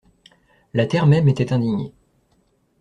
La terre même était indignée.